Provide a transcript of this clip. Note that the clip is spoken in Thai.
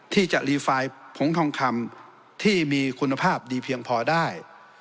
ที่จะรีไฟล์ผงทองคำที่มีคุณภาพดีเพียงพอได้